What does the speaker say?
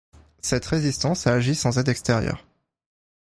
Cette résistance a agi sans aide extérieure.